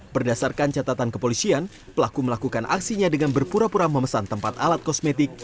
berdasarkan catatan kepolisian pelaku melakukan aksinya dengan berpura pura memesan tempat alat kosmetik